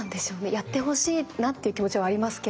やってほしいなって気持ちはありますけど。